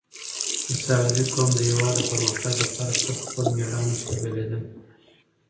اسحق زي قوم د هیواد د پرمختګ لپاره تل خپل میړانه ښودلي ده.